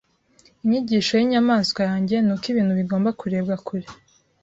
Inyigisho yinyamanswa yanjye nuko ibintu bigomba kurebwa kure.